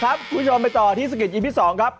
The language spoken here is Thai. ครับคุณชอบไปต่อที่สกิตอีพีสองครับ